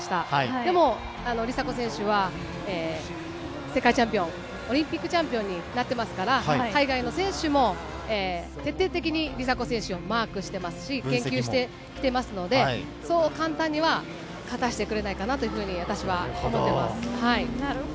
でも梨紗子選手は世界チャンピオン、オリンピックチャンピオンになっていますから、海外の選手も徹底的に梨紗子選手をマークしていますし研究していますのでそう簡単には勝たせてくれないかなというふうに私は思います。